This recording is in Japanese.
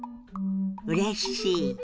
「うれしい」。